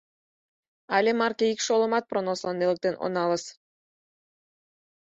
Але марке ик шолымат пронослан нелыктен оналыс.